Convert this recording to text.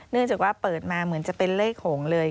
เนื่องจากว่าเปิดมาเหมือนจะเป็นเลขโขงเลย